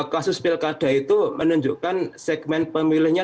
kasus pilkada itu menunjukkan segmen pemilihnya